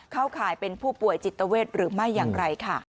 ข่ายเป็นผู้ป่วยจิตเวทหรือไม่อย่างไรค่ะ